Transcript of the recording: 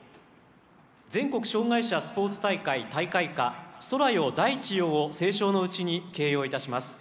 全国障害者スポーツ大会大会歌「空よ大地よ」を斉唱のうちに掲揚いたします。